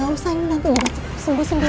gak usah pak gak usah